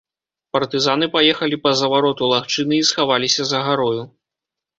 Партызаны паехалі па завароту лагчыны і схаваліся за гарою.